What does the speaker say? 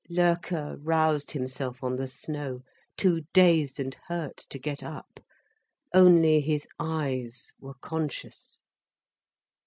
Loerke roused himself on the snow, too dazed and hurt to get up. Only his eyes were conscious.